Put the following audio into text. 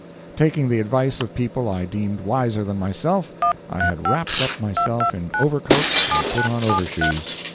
Taking the advice of people I deemed wiser than myself, I had wrapped up myself in overcoats, and put on overshoes.